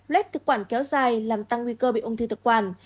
lét thực quản kéo dài làm tăng nguy cơ bị ung thư thực quản